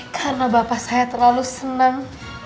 karena bapak saya terlalu senang